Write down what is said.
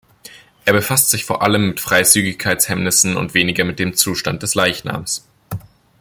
Er befasst sich vor allem mit Freizügigkeitshemmnissen und weniger mit dem Zustand des Leichnams.